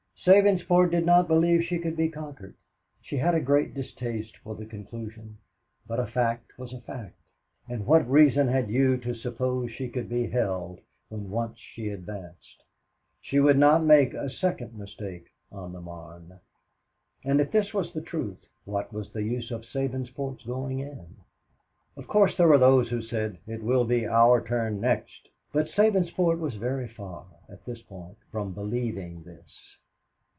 Sabinsport did not believe she could be conquered. She had a great distaste for the conclusion, but a fact was a fact, and what reason had you to suppose she could be held when once she advanced? She would not make a second mistake on the Marne. And if this was the truth, what was the use of Sabinsport's going in? Of course there were those who said, "It will be our turn next." But Sabinsport was very far, at this point, from believing this.